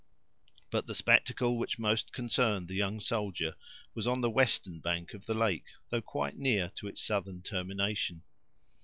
But the spectacle which most concerned the young soldier was on the western bank of the lake, though quite near to its southern termination.